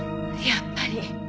やっぱり。